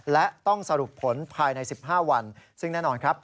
และต้องสรุปผลภายใน๑๕วันซึ่งแน่นอนครับ